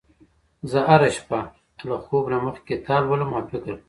زه هره شپه له خوب نه مخکې کتاب لولم او فکر کوم